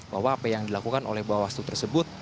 bahwa apa yang dilakukan oleh bawaslu tersebut